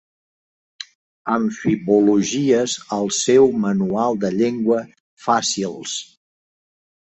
Amfibologies al seu manual de llengua Faci'ls.